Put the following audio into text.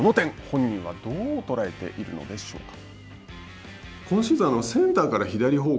この点、本人はどう捉えているのでしょうか。